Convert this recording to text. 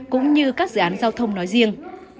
cũng như các dự án giao thông nói riêng